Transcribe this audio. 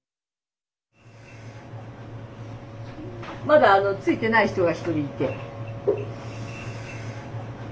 まだ着いてない人が１人いて。